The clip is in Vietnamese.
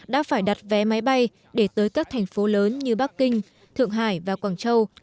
đã phải đặt vé máy bay để tới các thành phố lớn như bắc kinh thượng hải và quảng châu